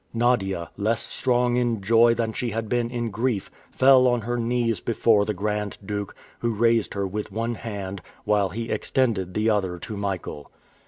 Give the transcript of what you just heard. Nadia, less strong in joy than she had been in grief, fell on her knees before the Grand Duke, who raised her with one hand, while he extended the other to Michael.